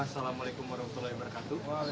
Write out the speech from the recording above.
wassalamualaikum warahmatullahi wabarakatuh